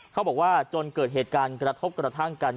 เขาบอกว่าจนเกิดเหตุการณ์กระทบกระทั่งกัน